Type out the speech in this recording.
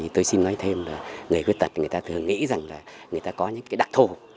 tôi xin nói thêm là người khuyết tật người ta thường nghĩ rằng là người ta có những đặc thù